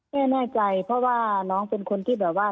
แน่ใจเพราะว่าน้องเป็นคนที่แบบว่า